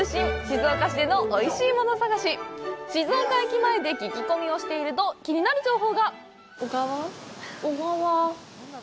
静岡駅前で聞き込みをしていると気になる情報が！